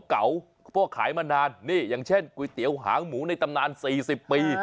เก่าพวกขายมานานนี่อย่างเช่นก๋วยเตี๋ยวหางหมูในตำนาน๔๐ปี